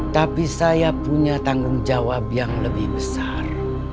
tapi saya punya tanggung jawab yang lebih besar